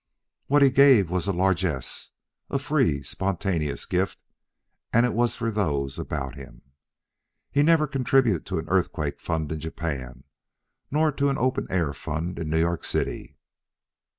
What he gave was a largess, a free, spontaneous gift; and it was for those about him. He never contributed to an earthquake fund in Japan nor to an open air fund in New York City.